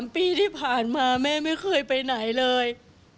๓ปีที่ผ่านมาแม่ไม่เคยไปเที่ยวกัน